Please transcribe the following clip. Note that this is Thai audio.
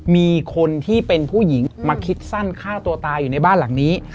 มีคนที่เป็นผู้หญิงมาคิดสั้นฆ่าตัวตายอยู่ในบ้านหลังนี้